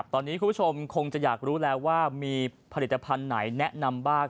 ตอนนี้คุณผู้ชมคงจะอยากรู้แล้วว่ามีผลิตภัณฑ์ไหนแนะนำบ้าง